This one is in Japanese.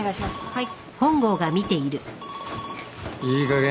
はい。